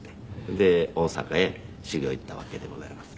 で大阪へ修業行ったわけでございます。